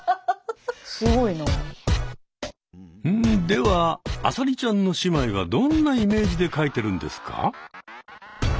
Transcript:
では「あさりちゃん」の姉妹はどんなイメージで描いてるんですか？